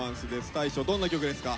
大昇どんな曲ですか？